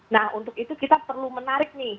nah untuk itu kita perlu menarik nih